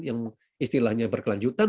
yang istilahnya berkelanjutan